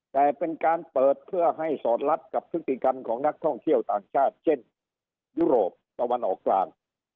แต่เป็นการเปิดเพื่อให้สอดรับกับพฤติกรรมของนักท่องเที่ยวต่างชาติเช่นยุโรปตะวันออกกลาง